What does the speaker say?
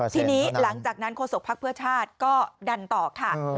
ทีนี้หลังจากนั้นโฆษกภักดิ์เพื่อชาติก็ดันต่อค่ะ